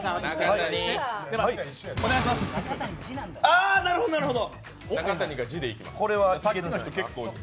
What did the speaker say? あ、なるほど、なるほど。